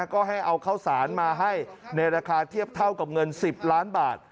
ก็ให้เอาข้าวสารมาให้ในราคาเทียบเท่ากับเงิน๑๐ล้านบาท